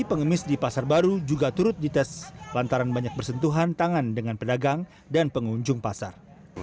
pengemis di pasar baru juga turut dites lantaran banyak bersentuhan tangan dengan pedagang dan pengunjung pasar